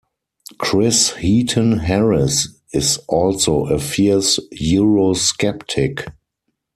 Chris Heaton-Harris is also a fierce eurosceptic.